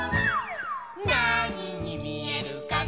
なににみえるかな